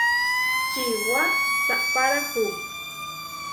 Čiwá saʼpárahu.